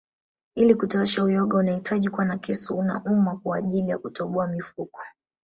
Ili kuotesha uyoga unahitaji kuwa na kisu na uma kwaajili ya kutoboa mifuko